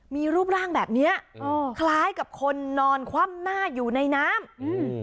มีรูปร่างแบบเนี้ยอ๋อคล้ายกับคนนอนคว่ำหน้าอยู่ในน้ำอืม